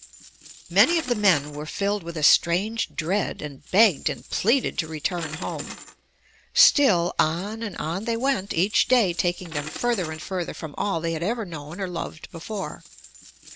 Many of the men were filled with a strange dread and begged and pleaded to return home. Still on 212 UP ONE PAIR OF STAIRS and on they went, each day taking them further and further from all they had ever known or loved before.